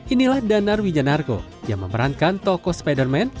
inilah danar wijanarko yang memerankan tokoh spiderman